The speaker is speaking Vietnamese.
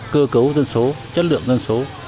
cơ cấu dân số chất lượng dân số